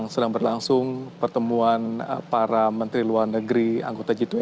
sedang berlangsung pertemuan para menteri luar negeri anggota g dua puluh